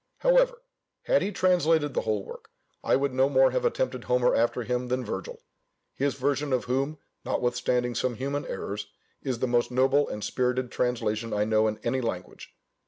However, had he translated the whole work, I would no more have attempted Homer after him than Virgil: his version of whom (notwithstanding some human errors) is the most noble and spirited translation I know in any language.